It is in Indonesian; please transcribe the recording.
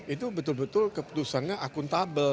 itu betul betul keputusannya akuntabel